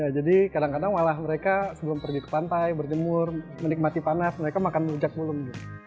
jadi kadang kadang malah mereka sebelum pergi ke pantai berjemur menikmati panas mereka makan rujak bulung